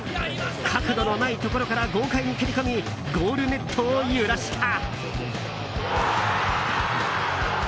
角度のないところから豪快に蹴り込みゴールネットを揺らした。